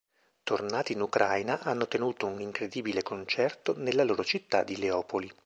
Tornati in Ucraina hanno tenuto un incredibile concerto nella loro città di Leopoli.